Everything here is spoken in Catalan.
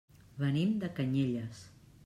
Venim de Canyelles.